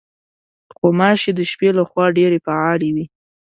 غوماشې د شپې له خوا ډېرې فعالې وي.